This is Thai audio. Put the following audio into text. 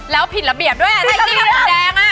แล้วผิดระเบียบด้วยอะทางสำดานตอนแต่วันเด็ก